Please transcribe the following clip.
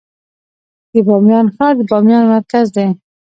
د بامیان ښار د بامیان مرکز دی